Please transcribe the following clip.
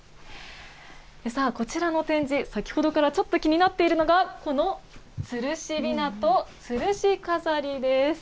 さあ、こちらの展示、先ほどからちょっと気になっているのが、このつるしびなとつるし飾りです。